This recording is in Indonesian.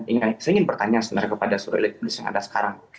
saya ingin pertanyaan sebenarnya kepada seluruh elit politik yang ada sekarang